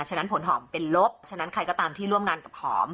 ฉะนั้นผลหอมเป็นลบฉะนั้นใครก็ตามที่ร่วมงานกับหอม